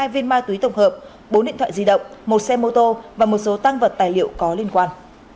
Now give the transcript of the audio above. hai viên ma túy tổng hợp bốn điện thoại di động một xe mô tô và một số tăng vật tài liệu có liên quan